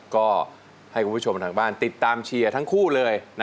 ก็ให้คุณผู้ชมทางบ้านติดตามเชียร์ทั้งคู่เลย